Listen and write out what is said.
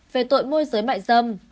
về tội môi giới mại dâm